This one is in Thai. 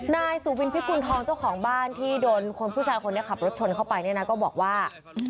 นายสุบินพิกุณฑองเจ้าของบ้านที่โดนคนผู้ชายคนนี้ขับรถชนเข้าไปเนี่ยนะก็บอกว่า